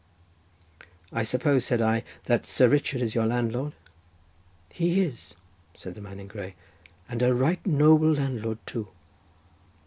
"I suppose," said I, "that Sir Richard is your landlord?" "He is," said the man in grey, "and a right noble landlord too."